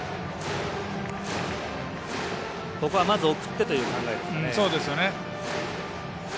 まず送ってという考えですね。